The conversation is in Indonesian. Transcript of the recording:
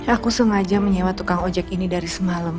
aku sengaja menyewa tukang ojek ini dari semalam